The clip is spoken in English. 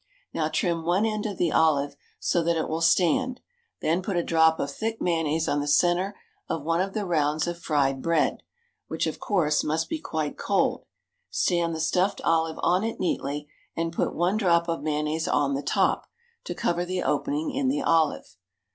Now trim one end of the olive so that it will stand; then put a drop of thick mayonnaise on the centre of one of the rounds of fried bread, which, of course, must be quite cold; stand the stuffed olive on it neatly, and put one drop of mayonnaise on the top, to cover the opening in the olive.